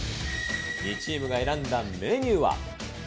２チームが選んだメニューは。